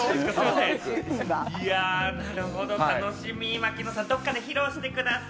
槙野さん、どっかで披露してください。